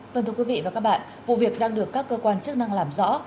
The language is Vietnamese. vâng thưa quý vị và các bạn vụ việc đang được các cơ quan chức năng làm rõ